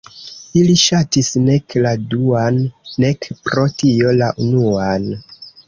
Ili ŝatis nek la duan, nek pro tio la unuan.